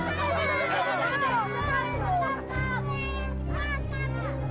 itu penjahat yang tadi aset bilang